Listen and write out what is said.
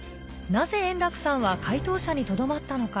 なぜ、円楽さんは回答者にとどまったのか。